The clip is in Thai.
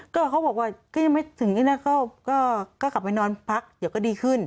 ก็เขาบอกว่าก็ยังไม่ถึงที่นะก็กลับไปนอนพักเดี๋ยวก็ดีขึ้น